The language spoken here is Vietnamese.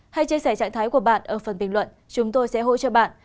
hãy chia sẻ trạng thái của bạn ở phần bình luận chúng tôi sẽ hỗ trợ bạn